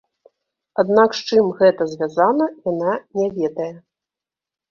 Аднак з чым гэта звязана, яна не ведае.